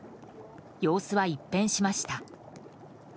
様子は一変しました。